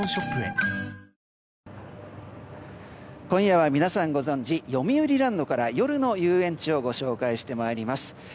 今夜は皆さんご存じよみうりランドから夜の遊園地をご紹介してまいります。